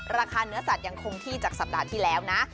ราคาเนื้อสัตว์ยังคงที่จากสัปดาห์ที่แล้วนะ